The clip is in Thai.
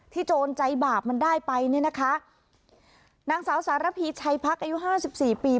โจรใจบาปมันได้ไปเนี่ยนะคะนางสาวสารพีชัยพักอายุห้าสิบสี่ปี